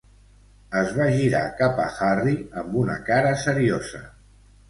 Es va girar cap a Harry amb una cara seriosa.